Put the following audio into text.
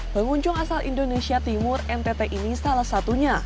pengunjung asal indonesia timur ntt ini salah satunya